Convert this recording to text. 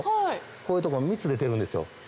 こういうとこ蜜出てるんですよ。